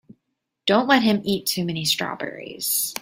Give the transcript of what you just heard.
Don't let him eat too many strawberries.